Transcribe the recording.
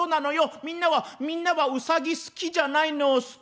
「みんなはみんなはウサギ好きじゃないの？」。